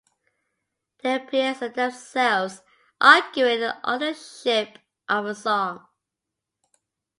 They appear as themselves, arguing over the authorship of a song.